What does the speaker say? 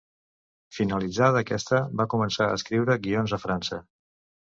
Finalitzada aquesta, va començar a escriure guions a França.